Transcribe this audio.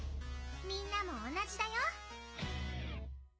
みんなも同じだよ！